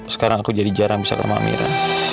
sekarang aku jadi jarang bisa sama amira